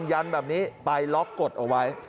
ยันแบบนี้ไปล็อกกดเอาไว้